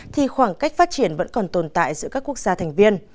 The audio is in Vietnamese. thì khoảng cách phát triển vẫn còn tồn tại giữa các quốc gia thành viên